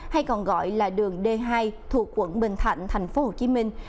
hay còn gọi là đường d hai thuộc quận bình thạnh thành phố hồ chí minh